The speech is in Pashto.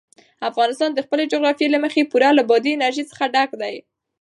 افغانستان د خپلې جغرافیې له مخې پوره له بادي انرژي څخه ډک دی.